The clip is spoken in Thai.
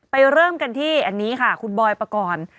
เริ่มกันที่อันนี้ค่ะคุณบอยปกรณ์